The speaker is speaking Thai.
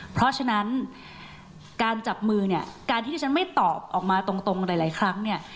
เพราะฉะนั้นการจับมือเนี่ยการที่ที่ฉันไม่ตอบออกมาตรงหลายครั้งเนี่ย